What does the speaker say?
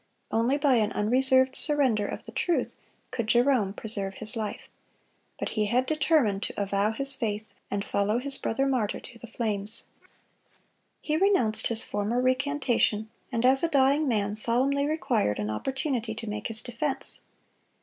Only by an unreserved surrender of the truth could Jerome preserve his life. But he had determined to avow his faith, and follow his brother martyr to the flames. He renounced his former recantation, and as a dying man, solemnly required an opportunity to make his defense.